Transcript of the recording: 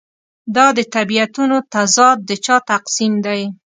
دا د طبیعتونو تضاد د چا تقسیم دی.